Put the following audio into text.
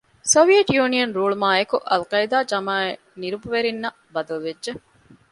ސޮވިއެޓް ޔުނިއަން ރޫޅުމާއެކު އަލްޤާޢިދާ ޖަމާޢަތް ނިރުބަވެރީންނަށް ބަދަލުވެއްޖެ